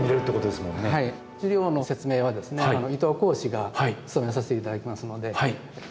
資料の説明はですね伊藤講師が務めさせて頂きますので。